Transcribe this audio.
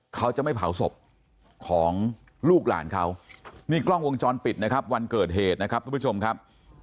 เขาจะไม่เผาศพของลูกหลานเขานี่กล้องวงจรปิดนะครับวันเกิดเหตุนะครับทุกผู้ชมครับ